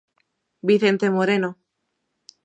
Vicente Moreno.